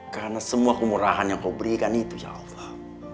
karena semua kemurahan yang kau berikan itu ya allah